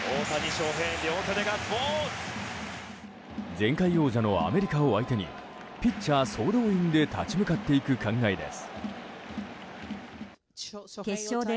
前回王者のアメリカを相手にピッチャー総動員で立ち向かっていく考えです。